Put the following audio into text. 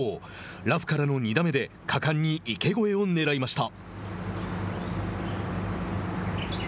ラフからの２打目で果敢に池越えをねらいました。